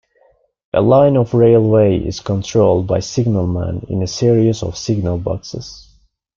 A line of railway is controlled by signalmen in a series of signal boxes.